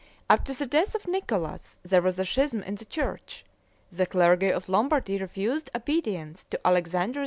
After the death of Nicholas, there was a schism in the church; the clergy of Lombardy refused obedience to Alexander II.